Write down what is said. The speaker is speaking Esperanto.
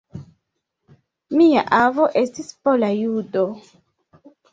Mia avo estis pola judo.